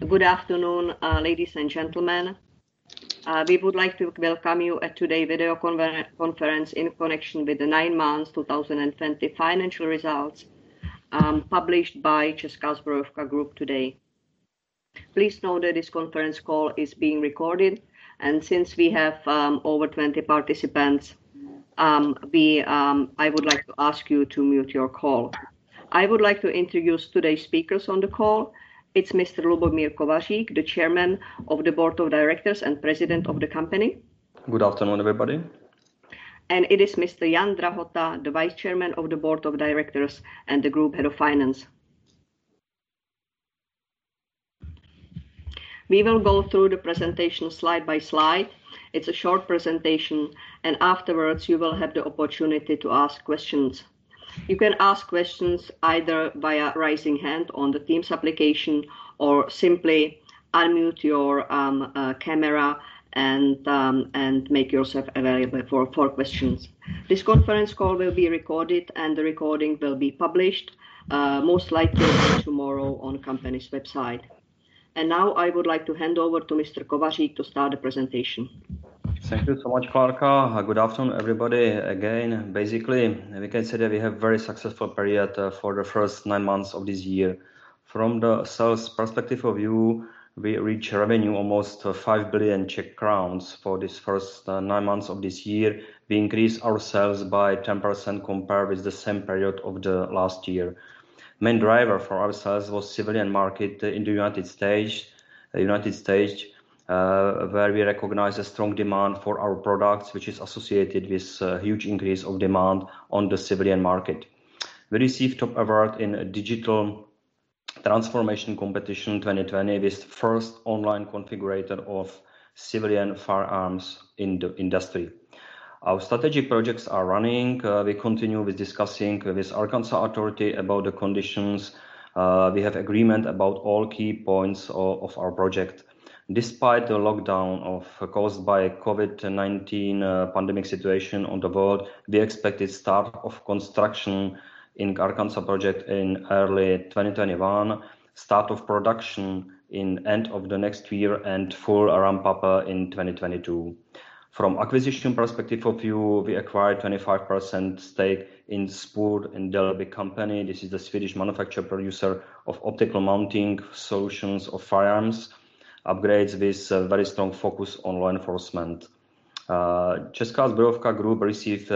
Good afternoon, ladies and gentlemen. We would like to welcome you at today video conference in connection with the nine months 2020 financial results published by Česká zbrojovka Group today. Please note that this conference call is being recorded, and since we have over 20 participants, I would like to ask you to mute your call. I would like to introduce today's speakers on the call. It's Mr. Lubomír Kovařík, the Chairman of the Board of Directors and President of the company. Good afternoon, everybody. It is Mr. Jan Drahota, the Vice Chairman of the Board of Directors and the Group Head of Finance. We will go through the presentation slide by slide. It's a short presentation, and afterwards you will have the opportunity to ask questions. You can ask questions either via raising hand on the Teams application or simply unmute your camera and make yourself available for questions. This conference call will be recorded, and the recording will be published, most likely by tomorrow on company's website. Now I would like to hand over to Mr. Kovařík to start the presentation. Thank you so much, Klára. Good afternoon, everybody. Again, basically, we can say that we have very successful period for the first nine months of this year. From the sales perspective of view, we reach revenue almost 5 billion Czech crowns for this first nine months of this year. We increase our sales by 10% compared with the same period of the last year. Main driver for our sales was civilian market in the United States, where we recognize a strong demand for our products, which is associated with huge increase of demand on the civilian market. We received top award in a Digital Transformation Competition 2020 with first online configurator of civilian firearms in the industry. Our strategic projects are running. We continue with discussing with Arkansas Authority about the conditions. We have agreement about all key points of our project. Despite the lockdown caused by COVID-19 pandemic situation on the world, we expected start of construction in Arkansas project in early 2021, start of production in end of the next year, and full ramp-up in 2022. From acquisition perspective of view, we acquired 25% stake in Spuhr i Dalby company. This is the Swedish manufacturer producer of optical mounting solutions of firearms, upgrades with very strong focus on law enforcement. Česká zbrojovka Group received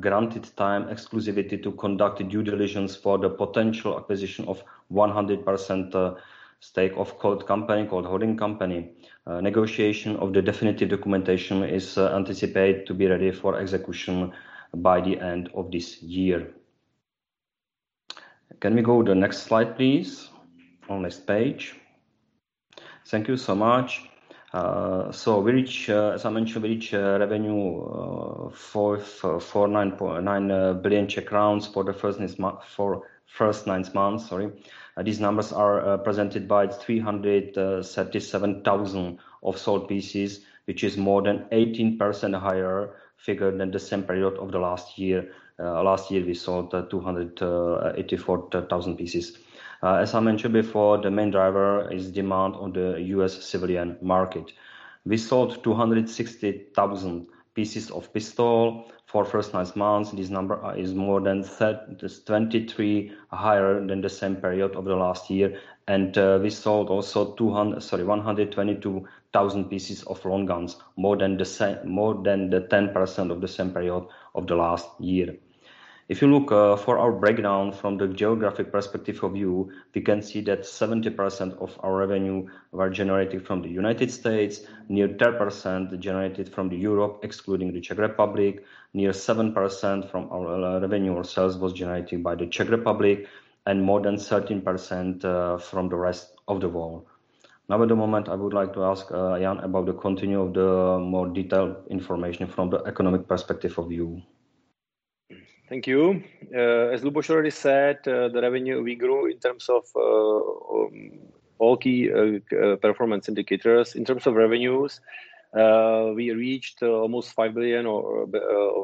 granted time exclusivity to conduct due diligence for the potential acquisition of 100% stake of Colt company, Colt Holding Company. Negotiation of the definitive documentation is anticipated to be ready for execution by the end of this year. Can we go the next slide, please? On next page. Thank you so much. We reach, as I mentioned, we reach revenue 4.9 billion Czech crowns for the first nine months, sorry. These numbers are presented by 337,000 of sold pieces, which is more than 18% higher figure than the same period of the last year. Last year, we sold 284,000 pieces. As I mentioned before, the main driver is demand on the U.S. civilian market. We sold 260,000 pieces of pistol for first nine months. This number is more than 23% higher than the same period of the last year. And we sold also 122,000 pieces of long guns, more than 10% of the same period of the last year. If you look for our breakdown from the geographic perspective of view, we can see that 70% of our revenue were generated from the U.S., near 10% generated from Europe, excluding the Czech Republic, near 7% from our revenue or sales was generated by the Czech Republic, and more than 13% from the rest of the world. Now at the moment, I would like to ask Jan about the continue of the more detailed information from the economic perspective of view. Thank you. As Luboš already said, the revenue, we grew in terms of all key performance indicators. In terms of revenues, we reached almost 5 billion of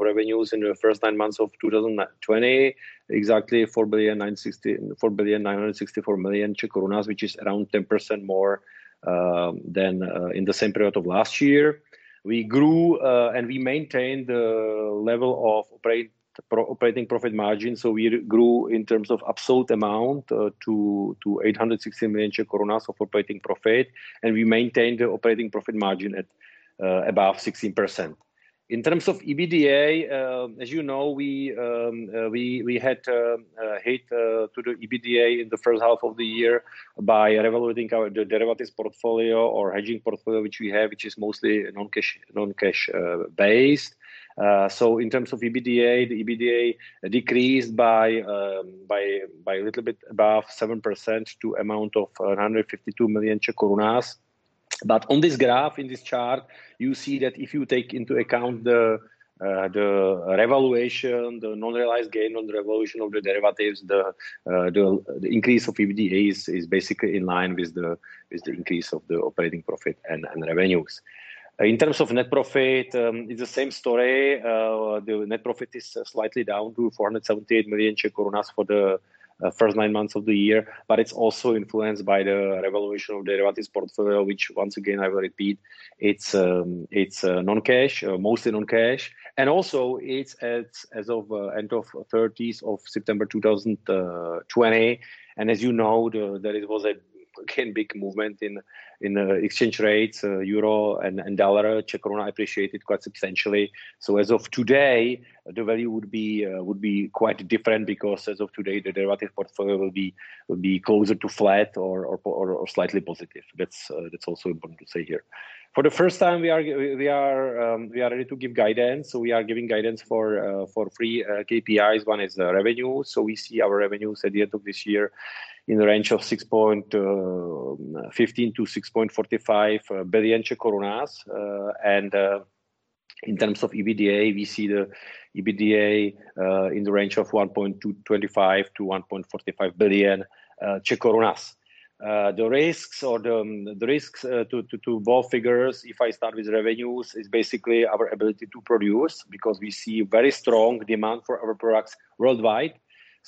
revenues in the first nine months of 2020, exactly 4,964,000,000, which is around 10% more than in the same period of last year. We grew, and we maintained the level of operating profit margin. We grew in terms of absolute amount to 860 million of operating profit, and we maintained the operating profit margin at above 16%. In terms of EBITDA, as you know, we had hit to the EBITDA in the first half of the year by revaluing our derivatives portfolio or hedging portfolio, which we have, which is mostly non-cash based. In terms of EBITDA, the EBITDA decreased by a little bit above 7% to amount of 152 million Czech koruna. On this graph, in this chart, you see that if you take into account the revaluation, the non-realized gain on the revaluation of the derivatives, the increase of EBITDA is basically in line with the increase of the operating profit and revenues. In terms of net profit, it's the same story. The net profit is slightly down to 478 million for the first nine months of the year. It's also influenced by the revaluation of derivatives portfolio, which once again, I will repeat, it's mostly non-cash. Also, it's as of end of September 30, 2020, and as you know, there was, again, big movement in exchange rates, euro and US dollar. Czech koruna appreciated quite substantially. As of today, the value would be quite different because as of today, the derivative portfolio will be closer to flat or slightly positive. That's also important to say here. For the first time, we are ready to give guidance. We are giving guidance for three KPIs. One is revenue. We see our revenues at the end of this year in the range of 6.15 billion-6.45 billion. In terms of EBITDA, we see the EBITDA in the range of 1.25 billion-1.45 billion. The risks to both figures, if I start with revenues, is basically our ability to produce, because we see very strong demand for our products worldwide.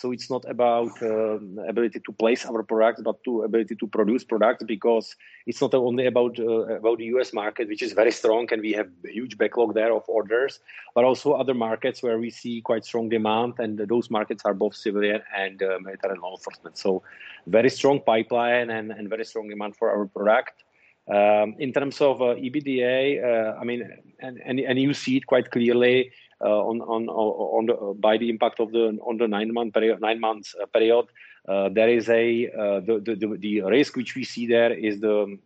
It's not about ability to place our products, but ability to produce products, because it's not only about the U.S. market, which is very strong, and we have a huge backlog there of orders, but also other markets where we see quite strong demand, and those markets are both civilian and military enforcement. Very strong pipeline and very strong demand for our product. In terms of EBITDA, and you see it quite clearly by the impact on the nine months period. The risk which we see there or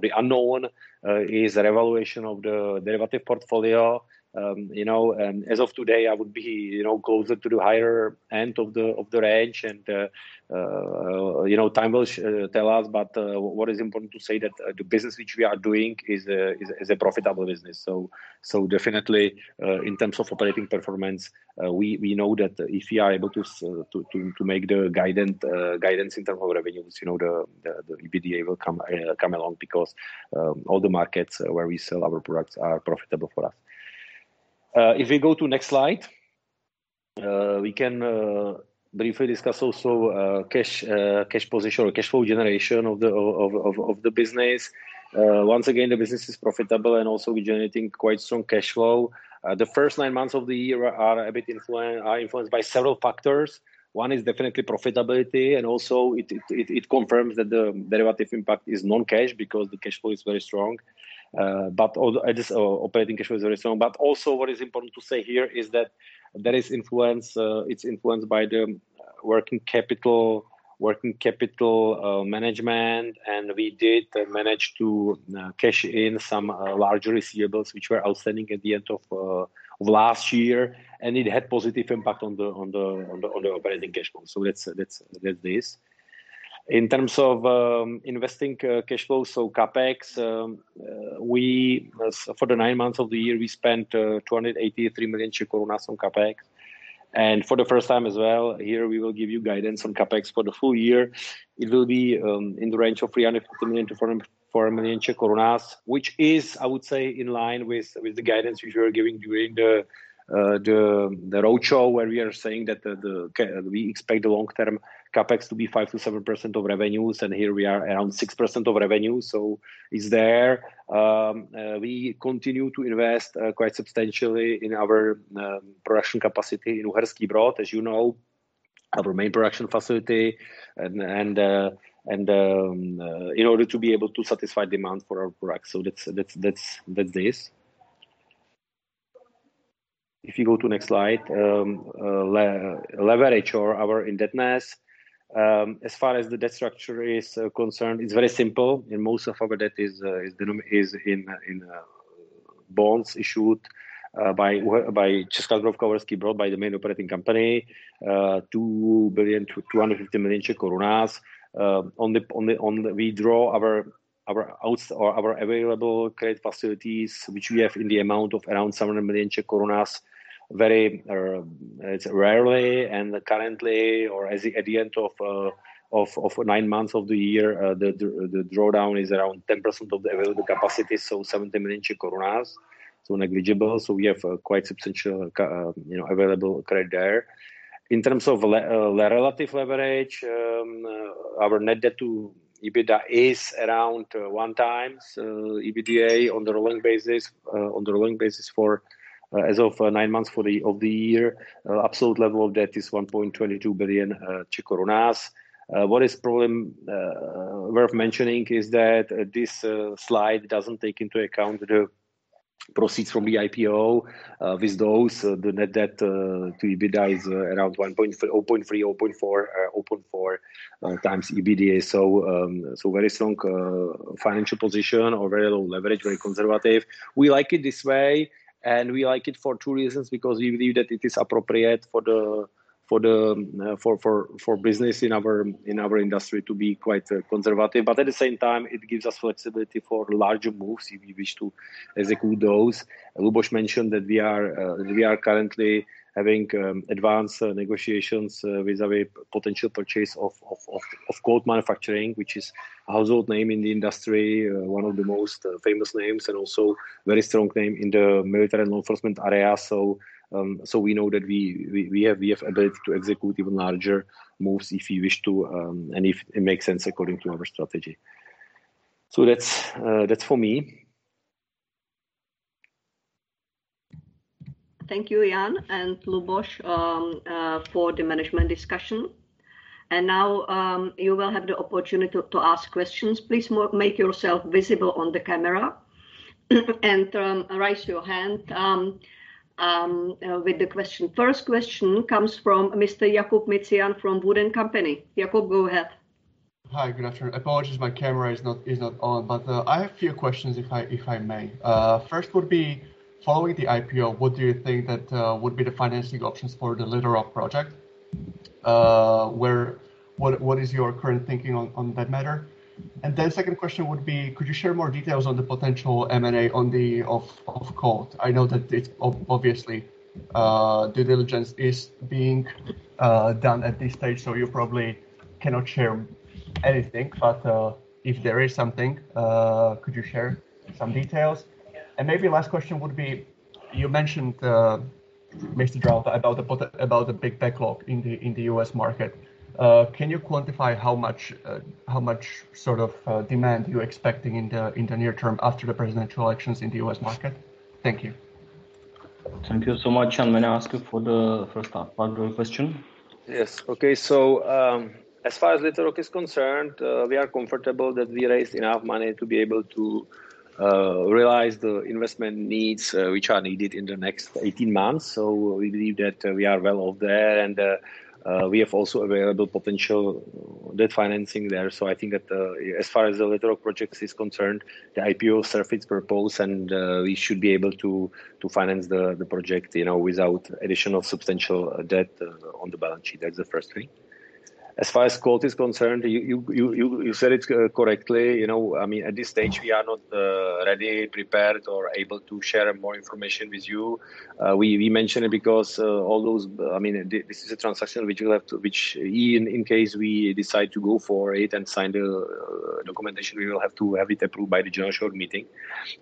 the unknown, is revaluation of the derivative portfolio. As of today, I would be closer to the higher end of the range and time will tell us, but what is important to say that the business which we are doing is a profitable business. Definitely, in terms of operating performance, we know that if we are able to make the guidance in terms of revenues, the EBITDA will come along because all the markets where we sell our products are profitable for us. If we go to next slide, we can briefly discuss also cash position or cash flow generation of the business. Once again, the business is profitable and also we generating quite strong cash flow. The first nine months of the year are influenced by several factors. One is definitely profitability, also it confirms that the derivative impact is non-cash because the cash flow is very strong. This operating cash flow is very strong. Also, what is important to say here is that it's influenced by the working capital management, we did manage to cash in some large receivables, which were outstanding at the end of last year. It had positive impact on the operating cash flow. That's this. In terms of investing cash flow, so CapEx, for the nine months of the year, we spent 283 million Czech koruna on CapEx. For the first time as well, here we will give you guidance on CapEx for the full year. It will be in the range of 350 million-400 million koruna, which is, I would say, in line with the guidance which we are giving during the roadshow, where we are saying that we expect the long-term CapEx to be 5%-7% of revenues, and here we are around 6% of revenue. It's there. We continue to invest quite substantially in our production capacity in Uherský Brod, as you know, our main production facility, in order to be able to satisfy demand for our products. That's this. If you go to next slide, leverage or our indebtedness. As far as the debt structure is concerned, it's very simple. Most of our debt is in bonds issued by Česká zbrojovka Uherský Brod, by the main operating company, 2 billion-250 million koruna. We draw our available credit facilities, which we have in the amount of around 700 million, very rarely and currently, or at the end of nine months of the year, the drawdown is around 10% of the available capacity, 70 million koruna. Negligible. We have quite substantial available credit there. In terms of relative leverage, our net debt to EBITDA is around 1x EBITDA on the rolling basis for as of nine months of the year. Absolute level of debt is 1.22 billion. What is probably worth mentioning is that this slide doesn't take into account the proceeds from the IPO. With those, the net debt to EBITDA is around 0.3x, 0.4x EBITDA. Very strong financial position or very low leverage, very conservative. We like it this way, and we like it for two reasons, because we believe that it is appropriate for business in our industry to be quite conservative, but at the same time, it gives us flexibility for larger moves if we wish to execute those. Luboš mentioned that we are currently having advanced negotiations with a potential purchase of Colt Manufacturing, which is a household name in the industry, one of the most famous names and also very strong name in the military enforcement area. We know that we have ability to execute even larger moves if we wish to, and if it makes sense according to our strategy. That's for me. Thank you, Jan and Luboš, for the management discussion. Now, you will have the opportunity to ask questions. Please make yourself visible on the camera and raise your hand with the question. First question comes from Mr. Jakub Mičian from Wood & Company. Jakub, go ahead. I have a few questions, if I may. Following the IPO, what do you think that would be the financing options for the Little Rock project? What is your current thinking on that matter? Second question would be, could you share more details on the potential M&A of Colt? I know that it's obviously due diligence is being done at this stage, so you probably cannot share anything. If there is something, could you share some details? Maybe last question would be, you mentioned, Mr. Drahota, about the big backlog in the U.S. market. Can you quantify how much demand you're expecting in the near term after the presidential elections in the U.S. market? Thank you. Thank you so much. Jan, may I ask you for the first part of the question? As far as Little Rock is concerned, we are comfortable that we raised enough money to be able to realize the investment needs, which are needed in the next 18 months. We believe that we are well off there and we have also available potential debt financing there. I think that as far as the Little Rock project is concerned, the IPO served its purpose and we should be able to finance the project without additional substantial debt on the balance sheet. That's the first thing. As far as Colt is concerned, you said it correctly. At this stage we are not ready, prepared, or able to share more information with you. We mention it because this is a transaction which in case we decide to go for it and sign the documentation, we will have to have it approved by the general shareholder meeting.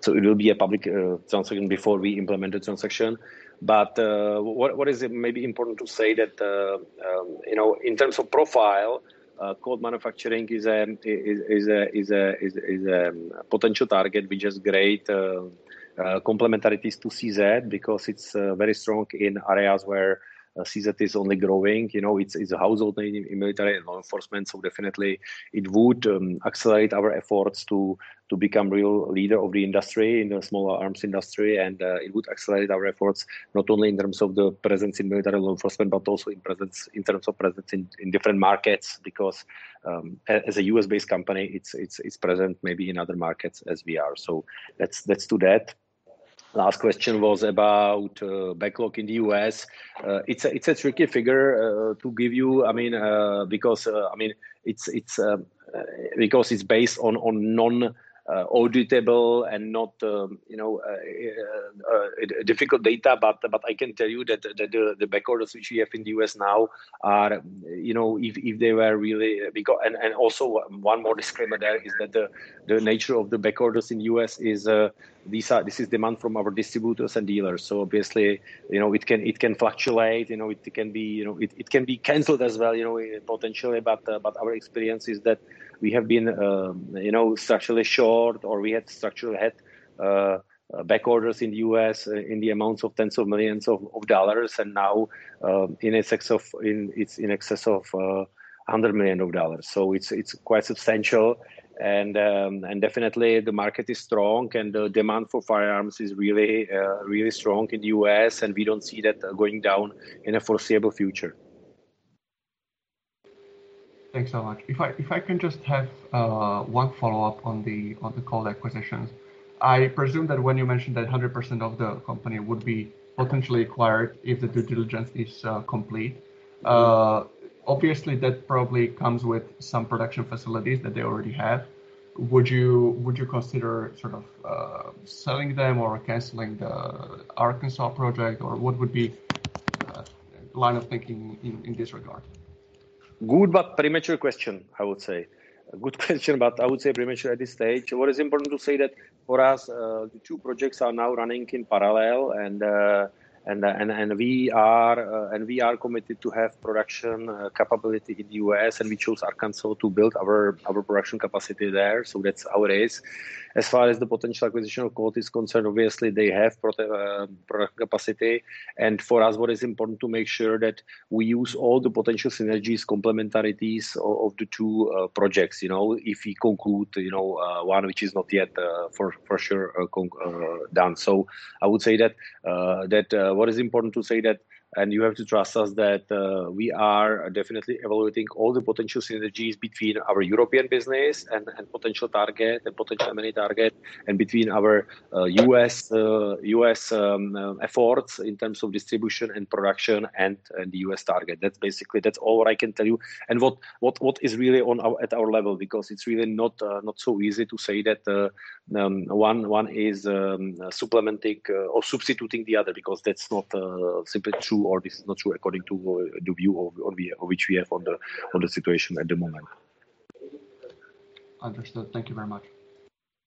It will be a public transaction before we implement the transaction. What is maybe important to say that, in terms of profile, Colt Manufacturing is a potential target with just great complementarities to CZ because it's very strong in areas where CZ is only growing. It's a household name in military and law enforcement. Definitely it would accelerate our efforts to become real leader of the industry, in the small arms industry. It would accelerate our efforts, not only in terms of the presence in military law enforcement, but also in terms of presence in different markets because, as a U.S.-based company, it's present maybe in other markets as we are. That's to that. Last question was about backlog in the U.S. It's a tricky figure to give you, because it's based on non-auditable and difficult data. I can tell you that the backorders which we have in the U.S. now are, if they were really big, and also one more disclaimer there is that the nature of the backorders in the U.S. is this is demand from our distributors and dealers. Obviously, it can fluctuate. It can be canceled as well, potentially. Our experience is that we have been structurally short or we had structural head backorders in the U.S. in the amounts of tens of millions of dollars. Now, it's in excess of $100 million. It's quite substantial and definitely the market is strong and the demand for firearms is really strong in the U.S., and we don't see that going down in the foreseeable future. Thanks so much. If I can just have one follow-up on the Colt acquisition. I presume that when you mentioned that 100% of the company would be potentially acquired if the due diligence is complete, obviously that probably comes with some production facilities that they already have. Would you consider selling them or canceling the Arkansas project, or what would be line of thinking in this regard? Good, but premature question, I would say. Good question, I would say premature at this stage. What is important to say that for us, the two projects are now running in parallel and we are committed to have production capability in the U.S., and we chose Arkansas to build our production capacity there. That's how it is. As far as the potential acquisition of Colt is concerned, obviously they have product capacity and for us, what is important to make sure that we use all the potential synergies, complementarities of the two projects. If we conclude one which is not yet for sure done. I would say that what is important to say that, and you have to trust us, that we are definitely evaluating all the potential synergies between our European business and potential M&A target, and between our U.S. efforts in terms of distribution and production and the U.S. target. That's basically all I can tell you and what is really at our level because it's really not so easy to say that one is supplementing or substituting the other because that's not simply true or this is not true according to the view which we have on the situation at the moment. Understood. Thank you very much.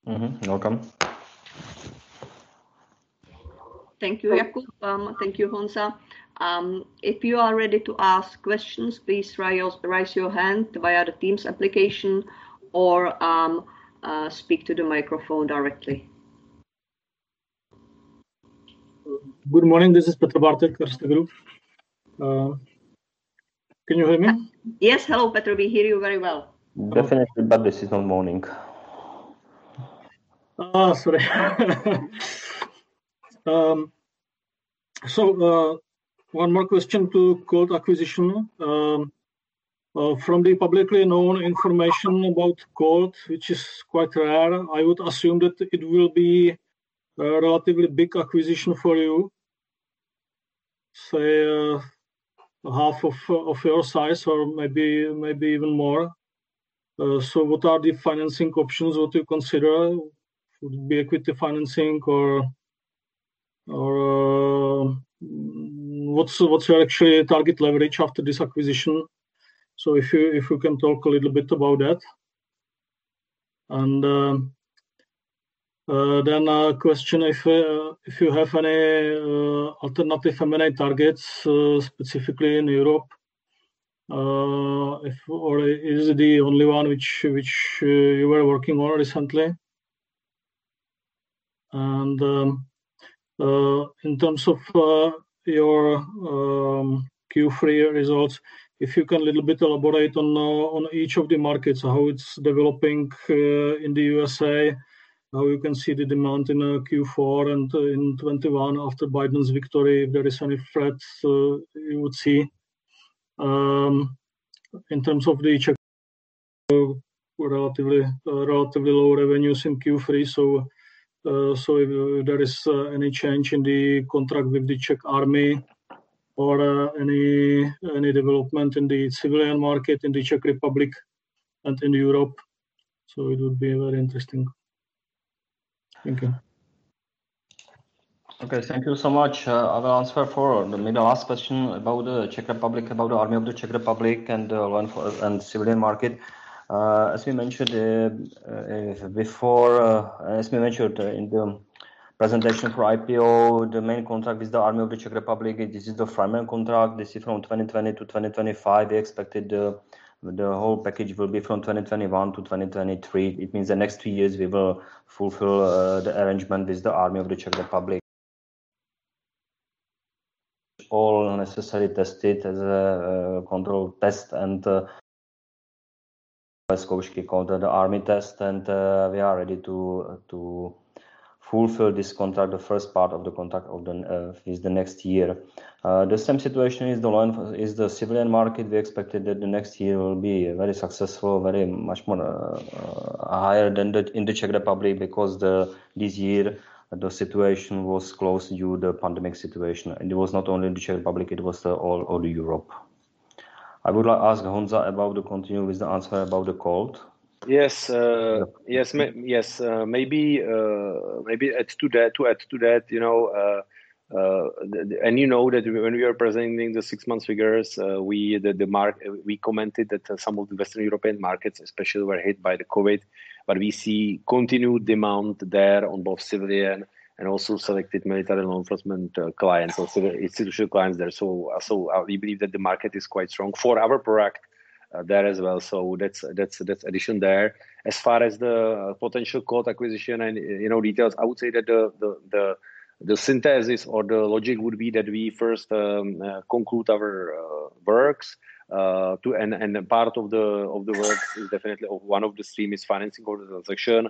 Welcome. Thank you, Jakub. Thank you, Honza. If you are ready to ask questions, please raise your hand via the Teams application or speak to the microphone directly. Good morning. This is Petr Bártek, Erste Group. Can you hear me? Yes. Hello, Petr. We hear you very well. Definitely, but this is not morning. Sorry. One more question to Colt acquisition. From the publicly known information about Colt, which is quite rare, I would assume that it will be a relatively big acquisition for you, say half of your size or maybe even more. What are the financing options would you consider? Would it be equity financing or what's your actual target leverage after this acquisition? If you can talk a little bit about that. Then a question, if you have any alternative M&A targets specifically in Europe, or is it the only one which you were working on recently? In terms of your Q3 results, if you can little bit elaborate on each of the markets, how it's developing in the U.S.A., how you can see the demand in Q4 and in 2021 after Biden's victory. If there is any threats you would see. In terms of the Czech Republic, relatively low revenues in Q3, so if there is any change in the contract with the Czech Army or any development in the civilian market in the Czech Republic and in Europe. It would be very interesting. Thank you. Okay. Thank you so much. I will answer for maybe the last question about the Czech Republic, about the Army of the Czech Republic and civilian market. As we mentioned before, as we mentioned in the presentation for IPO, the main contract is the Army of the Czech Republic. This is the framework contract. This is from 2020 to 2025. We expected the whole package will be from 2021 to 2023. It means the next two years, we will fulfill the arrangement with the Army of the Czech Republic. All necessary tested as a control test and called the Army test, and we are ready to fulfill this contract. The first part of the contract is the next year. The same situation is the civilian market. We expected that the next year will be very successful, very much more higher than in the Czech Republic because this year, the situation was closed due the pandemic situation. It was not only in the Czech Republic, it was all Europe. I would like ask Honza about to continue with the answer about the Colt. Yes. Maybe to add to that, you know that when we are presenting the six months figures, we commented that some of the Western European markets especially were hit by the COVID, but we see continued demand there on both civilian and also selected military law enforcement clients or civilian institutional clients there. We believe that the market is quite strong for our product there as well. That's addition there. As far as the potential Colt acquisition and details, I would say that the synthesis or the logic would be that we first conclude our works. A part of the works is definitely, or one of the stream is financing or the transaction.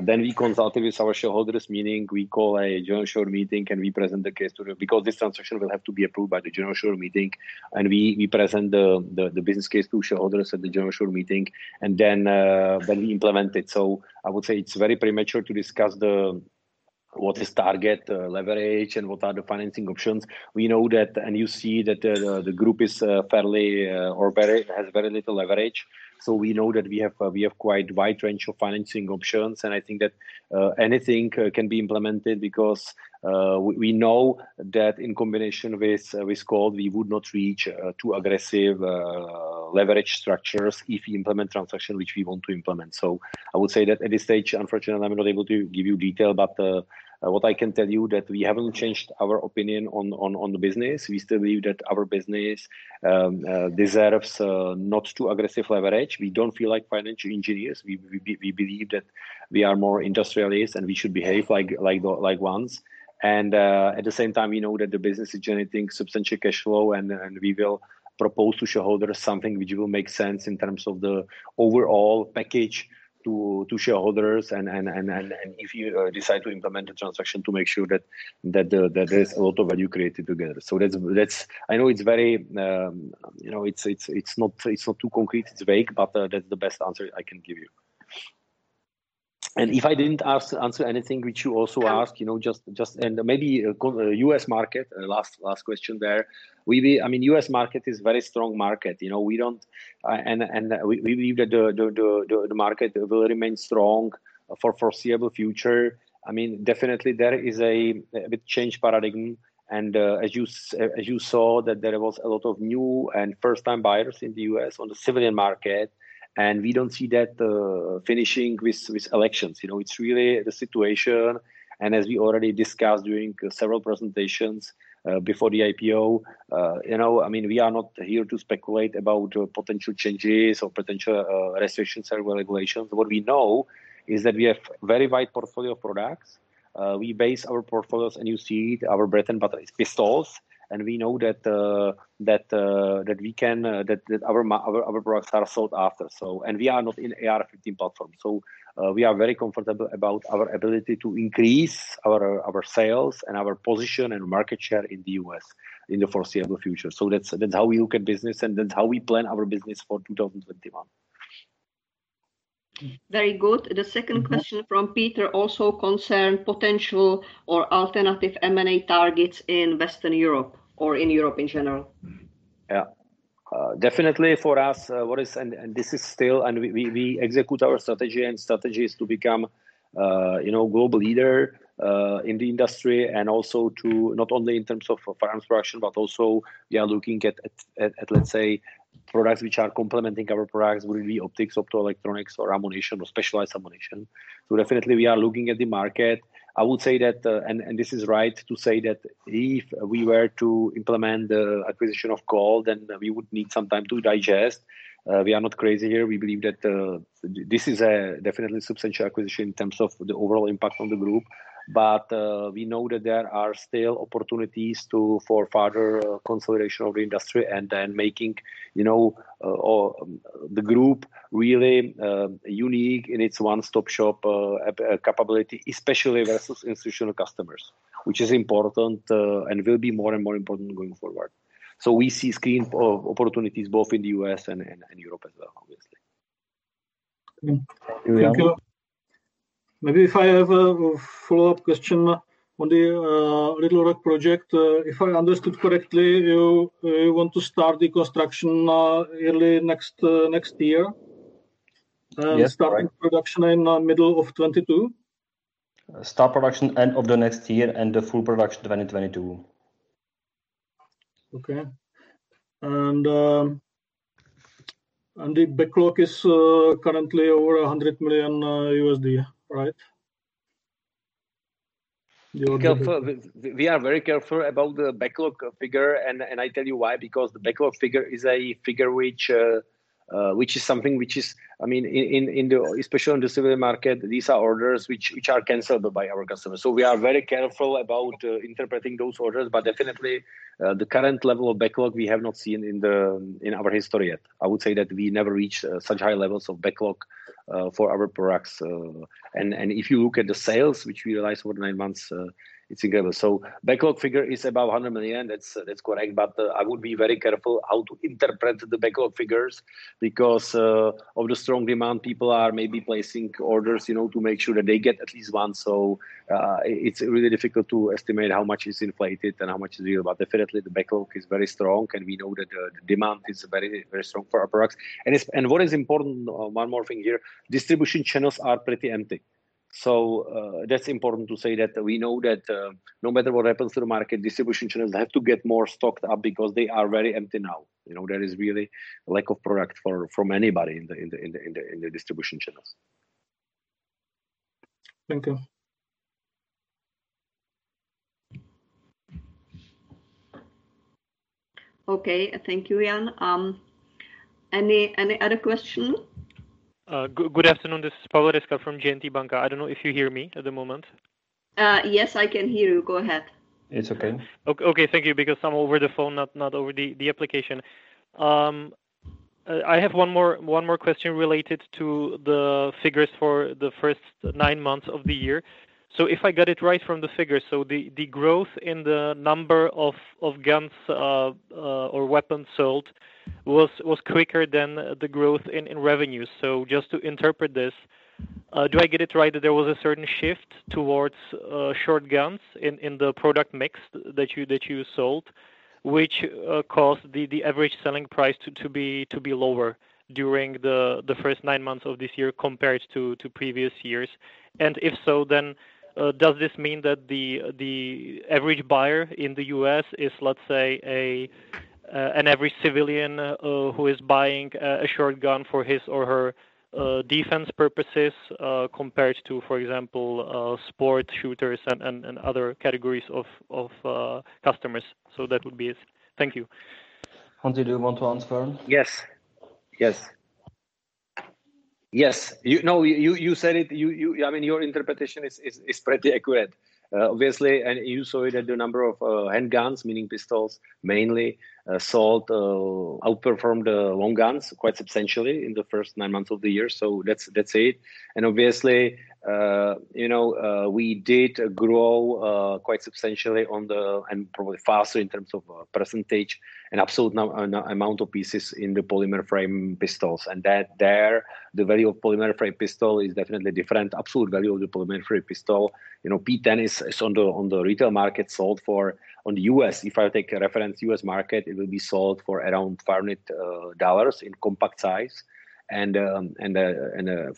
We consulted with our shareholders, meaning we call a general shareholder meeting we present the case to them because this transaction will have to be approved by the general shareholder meeting, we present the business case to shareholders at the general shareholder meeting. We implement it. I would say it's very premature to discuss what is target leverage and what are the financing options. We know that, you see that the group has very little leverage. We know that we have quite wide range of financing options, I think that anything can be implemented because we know that in combination with Colt, we would not reach too aggressive leverage structures if we implement transaction which we want to implement. I would say that at this stage, unfortunately, I'm not able to give you detail. What I can tell you that we haven't changed our opinion on the business. We still believe that our business deserves not too aggressive leverage. We don't feel like financial engineers. We believe that we are more industrialists, we should behave like ones. At the same time, we know that the business is generating substantial cash flow, we will propose to shareholders something which will make sense in terms of the overall package to shareholders if we decide to implement the transaction, to make sure that there is a lot of value created together. I know it's not too concrete, it's vague, but that's the best answer I can give you. If I didn't answer anything which you also asked, just, maybe U.S. market, last question there. U.S. market is very strong market. We believe that the market will remain strong for foreseeable future. Definitely there is a bit change paradigm as you saw that there was a lot of new and first-time buyers in the U.S. on the civilian market. We don't see that finishing with elections. It's really the situation. As we already discussed during several presentations before the IPO, we are not here to speculate about potential changes or potential restriction, several regulations. What we know is that we have very wide portfolio of products. We base our portfolios. You see our bread and butter is pistols. We know that our products are sought after. We are not in AR-15 platform. We are very comfortable about our ability to increase our sales and our position and market share in the U.S. in the foreseeable future. That's how we look at business. That's how we plan our business for 2021. Very good. The second question from Petr also concern potential or alternative M&A targets in Western Europe or in Europe in general. Definitely for us. We execute our strategy. Strategy is to become global leader in the industry and also to not only in terms of firearms production, but also we are looking at, let's say, products which are complementing our products, will be optics, optoelectronics or ammunition or specialized ammunition. Definitely we are looking at the market. I would say that this is right to say that if we were to implement the acquisition of Colt, then we would need some time to digest. We are not crazy here. We believe that this is a definitely substantial acquisition in terms of the overall impact on the group. We know that there are still opportunities for further consolidation of the industry making the group really unique in its one-stop shop capability, especially versus institutional customers, which is important and will be more and more important going forward. We see opportunities both in the U.S. and Europe as well, obviously. Thank you. Maybe if I have a follow-up question on the Little Rock project. If I understood correctly, you want to start the construction early next year? Yes, correct. Start production in middle of 2022? Start production end of the next year and the full production 2022. Okay. The backlog is currently over $100 million, right? We are very careful about the backlog figure, and I tell you why, because the backlog figure is a figure which is something which is, especially in the civilian market, these are orders which are canceled by our customers. We are very careful about interpreting those orders. Definitely, the current level of backlog we have not seen in our history yet. I would say that we never reach such high levels of backlog for our products. If you look at the sales, which we realized for nine months, it's incredible. Backlog figure is about $100 million, that's correct. I would be very careful how to interpret the backlog figures because of the strong demand. People are maybe placing orders to make sure that they get at least one. It's really difficult to estimate how much is inflated and how much is real. Definitely the backlog is very strong and we know that the demand is very strong for our products. What is important, one more thing here, distribution channels are pretty empty. That's important to say that we know that, no matter what happens to the market, distribution channels have to get more stocked up because they are very empty now. There is really lack of product from anybody in the distribution channels. Thank you. Okay. Thank you, Jan. Any other question? Good afternoon, this is Pavel Ryska from J&T Banka. I don't know if you hear me at the moment. Yes, I can hear you. Go ahead. It's okay. Thank you. Because I'm over the phone, not over the application. I have one more question related to the figures for the first nine months of the year. If I got it right from the figures, the growth in the number of guns or weapons sold was quicker than the growth in revenues. Just to interpret this, do I get it right that there was a certain shift towards short guns in the product mix that you sold, which caused the average selling price to be lower during the first nine months of this year compared to previous years? If so, does this mean that the average buyer in the U.S. is, let's say, an every civilian who is buying a short gun for his or her defense purposes, compared to, for example, sport shooters and other categories of customers? That would be it. Thank you. Honza, do you want to answer? Yes. You said it. Your interpretation is pretty accurate. Obviously, and you saw it, that the number of handguns, meaning pistols mainly, sold, outperformed long guns quite substantially in the first nine months of the year. So that's it. We did grow quite substantially on the, and probably faster in terms of percentage, an absolute amount of pieces in the polymer frame pistols. And that there, the value of polymer frame pistol is definitely different. Absolute value of the polymer frame pistol, P-10 is on the retail market sold for, on the U.S., if I take a reference U.S. market, it will be sold for around $500 in compact size. And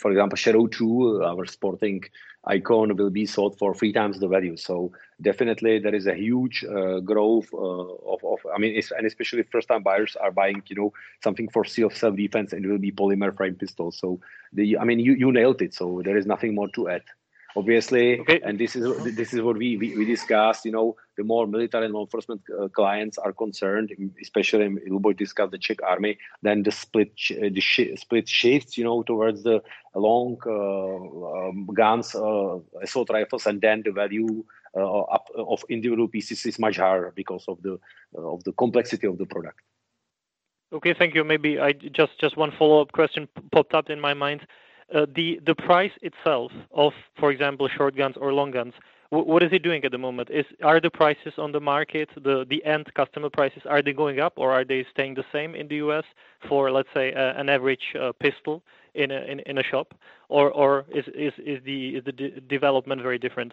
for example, Shadow 2, our sporting icon, will be sold for 3x the value. Definitely there is a huge growth, and especially first time buyers are buying something for self-defense, it will be polymer frame pistol. You nailed it, so there is nothing more to add. Okay This is what we discussed. The more military law enforcement clients are concerned, especially Luboš discussed the Czech army, then the split shifts towards the long guns, assault rifles, and then the value of individual pieces is much higher because of the complexity of the product. Okay. Thank you. Maybe just one follow-up question popped up in my mind. The price itself of, for example, short guns or long guns, what is it doing at the moment? Are the prices on the market, the end customer prices, are they going up or are they staying the same in the U.S. for, let's say, an average pistol in a shop? Or is the development very different?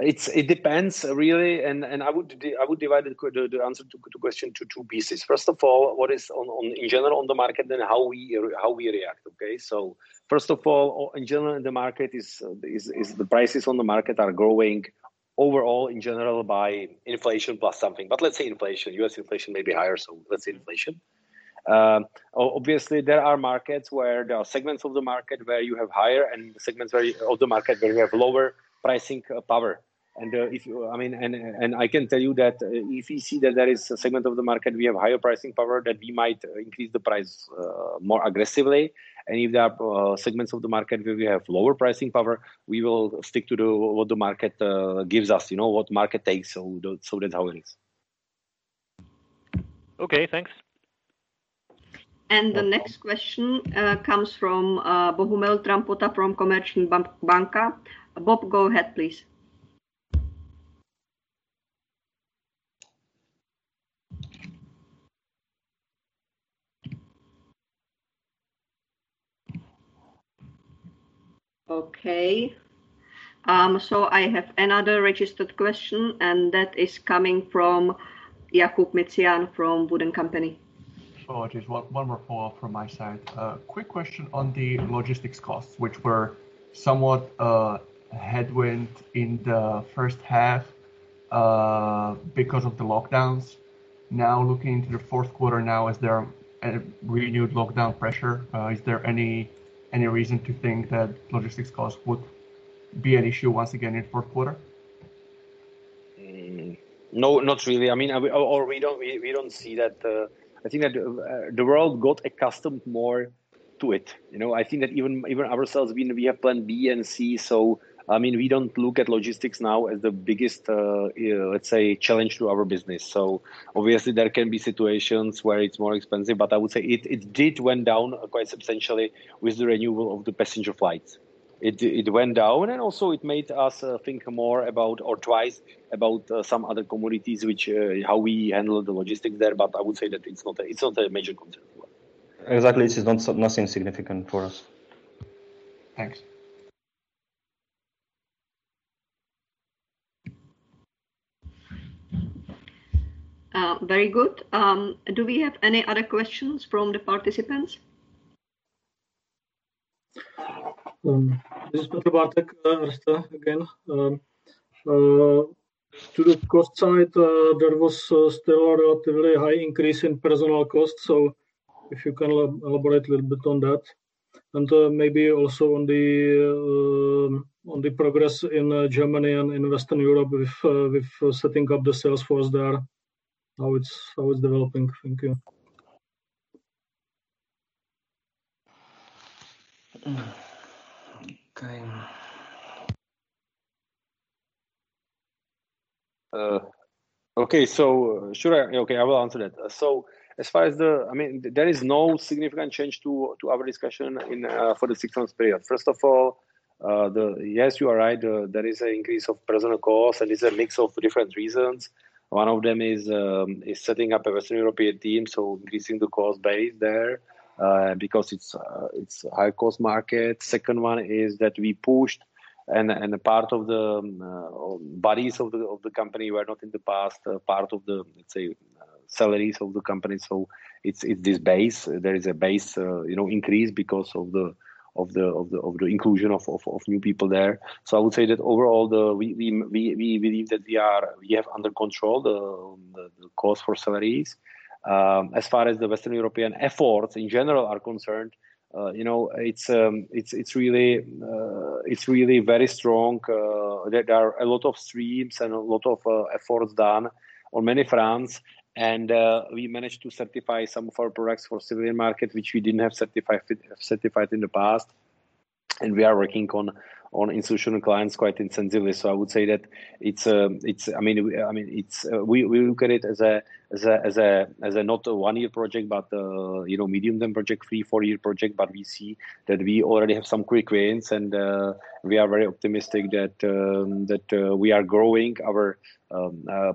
It depends, really, and I would divide the answer to the question to two pieces. First of all, what is in general on the market, then how we react. First of all, in general, the prices on the market are growing overall in general by inflation plus something. Let's say inflation. U.S. inflation may be higher, so let's say inflation. Obviously, there are markets where there are segments of the market where you have higher and segments of the market where you have lower pricing power. I can tell you that if you see that there is a segment of the market we have higher pricing power, then we might increase the price more aggressively. If there are segments of the market where we have lower pricing power, we will stick to what the market gives us. What market takes, so that's how it is. Okay, thanks. The next question comes from Bohumil Trampota from Komerční banka. Boh, go ahead, please. I have another registered question, and that is coming from Jakub Mičian from Wood & Company. Sorry, just one more follow-up from my side. A quick question on the logistics costs, which were somewhat a headwind in the first half because of the lockdowns. Now, looking into the fourth quarter now, is there a renewed lockdown pressure? Is there any reason to think that logistics costs would be an issue once again in fourth quarter? No, not really. We don't see that. I think that the world got accustomed more to it. I think that even ourselves, we have plan B and C, we don't look at logistics now as the biggest, let's say, challenge to our business. Obviously there can be situations where it's more expensive, but I would say it did went down quite substantially with the renewal of the passenger flights. It went down and also it made us think more about, or twice, about some other commodities, how we handle the logistics there. I would say that it's not a major concern for us. Exactly. It is nothing significant for us. Thanks. Very good. Do we have any other questions from the participants? This is Petr Bártek, Erste again. To the cost side, there was still a relatively high increase in personnel costs, if you can elaborate a little bit on that. Maybe also on the progress in Germany and in Western Europe with setting up the sales force there, how it's developing. Thank you. Okay. Sure. I will answer that. There is no significant change to our discussion for the six months period. First of all, yes, you are right, there is an increase of personnel costs and it's a mix of different reasons. One of them is setting up a Western European team, so increasing the cost base there because it's a high-cost market. Second one is that we pushed and a part of the bodies of the company were not in the past, part of the, let's say, salaries of the company. It's this base. There is a base increase because of the inclusion of new people there. I would say that overall, we believe that we have under control the cost for salaries. As far as the Western European efforts in general are concerned, it's really very strong. There are a lot of streams and a lot of efforts done on many fronts. We managed to certify some of our products for civilian market, which we didn't have certified in the past. We are working on institutional clients quite intensively. I would say that we look at it as not a one-year project, but medium-term project, three, four-year project. We see that we already have some quick wins, and we are very optimistic that we are growing our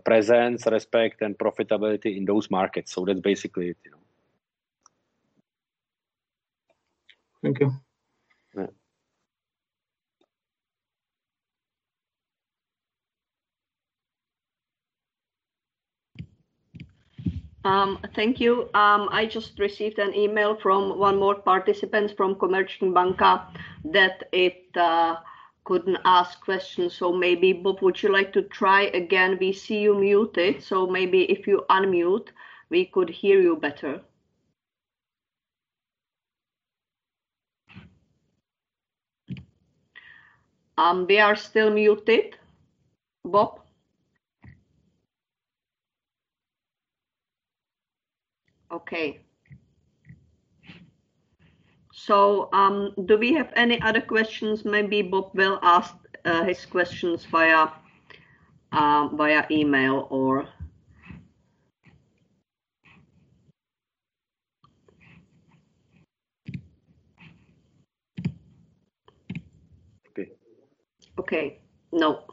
presence, respect, and profitability in those markets. That's basically it. Thank you. Yeah. Thank you. I just received an email from one more participant, from Komerční banka, that it couldn't ask questions. Maybe, Boh, would you like to try again? We see you muted, so maybe if you unmute, we could hear you better. We are still muted, Boh. Okay. Do we have any other questions? Maybe Boh will ask his questions via email or. Okay. Okay. No.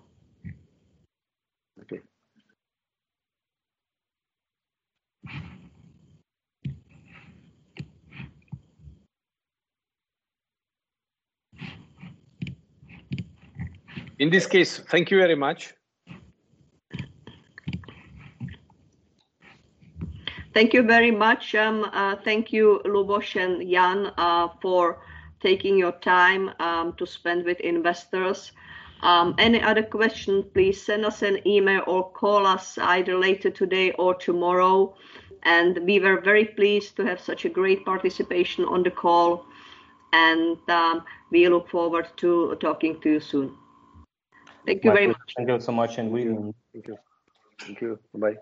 Okay. In this case, thank you very much. Thank you very much. Thank you, Luboš and Jan, for taking your time to spend with investors. Any other questions, please send us an email or call us either later today or tomorrow. We were very pleased to have such a great participation on the call. We look forward to talking to you soon. Thank you very much. Thank you so much. Thank you. Bye-bye